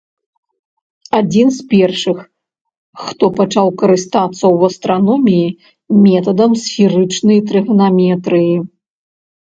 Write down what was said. Адзін з першых, хто пачаў карыстацца ў астраноміі метадамі сферычнай трыганаметрыі.